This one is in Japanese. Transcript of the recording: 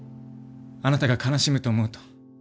あなたが悲しむと思うと。